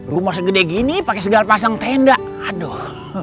rumah segede gini pakai segar pasang tenda aduh